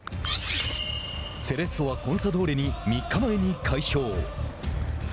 セレッソはコンサドーレに３日前に快勝。